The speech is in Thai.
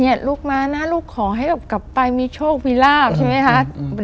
เนี่ยลูกมานะลูกขอให้แบบกลับไปมีโชคพิลาปใช่ไหมฮะอืม